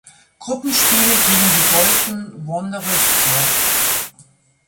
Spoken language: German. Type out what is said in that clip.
Gruppenspiel gegen die Bolton Wanderers durch.